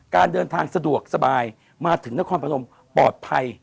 การเดินทางสะดวกสบายมาถึงนครพนมปลอดภัย